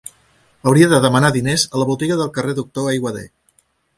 Hauria de demanar diners a la botiga del carrer Doctor Aiguader.